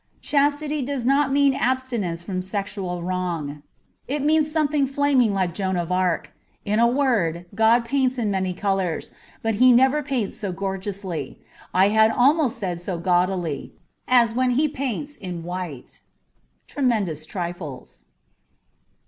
Chastity does not mean abstention from sexual wrong ; it means 36 something flaming like Joan of Arc. In a word, God paints in many colours, but He never paints so gorgeously — I had almost said so gaudily — as when He paints in white. ^Tremendous Trifles.''